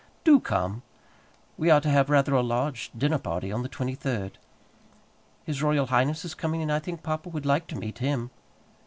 Do come. We are to have rather a large dinner party on the 23rd. His Royal Highness is coming, and I think papa would like to meet him.